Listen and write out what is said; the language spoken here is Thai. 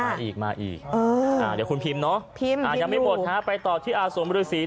มาอีกมาอีกเดี๋ยวคุณพิมพ์เนาะพิมพ์ยังไม่หมดฮะไปต่อที่อาสมฤษี